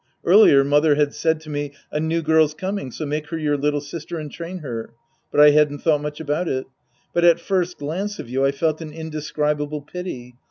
Earlier, mother had said to me, " A new girl's coming, so make her your little sister and train her." But I hadn't thought much about it. But at first glance of you, I felt an indescribable pity.